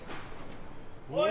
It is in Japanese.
おい！